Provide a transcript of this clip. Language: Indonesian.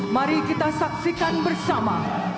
mari kita saksikan bersama